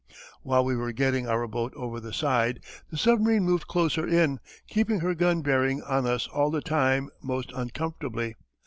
While we were getting our boat over the side, the submarine moved closer in, keeping her gun bearing on us all the time, most uncomfortably.